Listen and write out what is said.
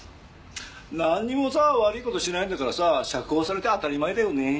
なんにもさ悪い事してないんだからさ釈放されて当たり前だよねえ。